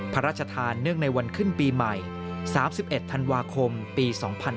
พระราชทานเนื่องในวันขึ้นปีใหม่๓๑ธันวาคมปี๒๕๕๙